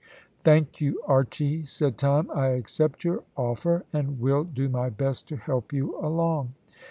"Thank you, Archy," said Tom; "I accept your offer, and will do my best to help you along."